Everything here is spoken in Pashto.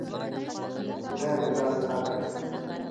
يوه مخابره يې په لاس راکړه.